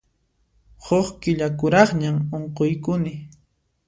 Huk killa kuraqñam unquykuni.